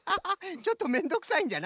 ちょっとめんどくさいんじゃな。